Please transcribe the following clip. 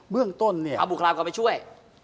เรื่องต้นเนี่ยเอาบุคลามเข้าไปช่วย